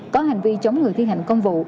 có hành vi chống người thi hành công vụ